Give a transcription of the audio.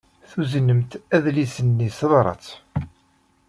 Tuznemt adlis-nni s tebṛat.